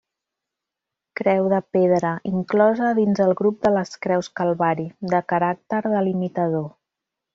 Creu de pedra, inclosa dins el grup de les creus calvari, de caràcter delimitador.